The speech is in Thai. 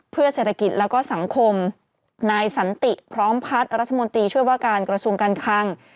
เพื่อเศรษฐกิจแล้วก็สังคมนายสันติพร้อมพัฒน์รัฐมนตรีช่วยว่าการกระทรวงการคัง